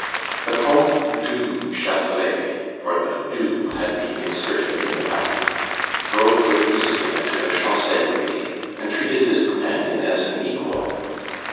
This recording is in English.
The Comte du Chatelet (for the du had been inserted in the patent) drove with Lucien to the Chancellerie, and treated his companion as an equal.